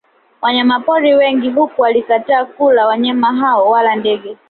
Wanyama pori wengi huku wakikataa kula wanyama hao wala ndege